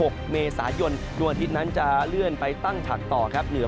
วันอังคารนี้๒๖เมษายนเราจะเป็นที่นั้นจะเลื่อนไปตั้งฉากต่อครับเหนือ